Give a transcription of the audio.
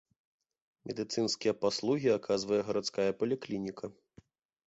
Медыцынскія паслугі аказвае гарадская паліклініка.